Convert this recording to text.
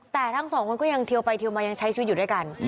แต่ทั้งสองคนก็ยังเทียวไปเทียวมายังใช้ชีวิตอยู่ด้วยกัน